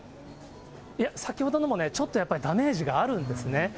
いや、先ほどのもちょっとダメージがあるんですね。